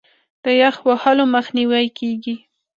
د یخ وهلو مخنیوی کیږي.